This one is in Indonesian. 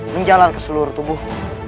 menjalan ke seluruh tubuh